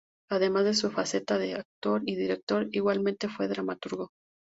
Además de su faceta de actor y director, igualmente fue dramaturgo.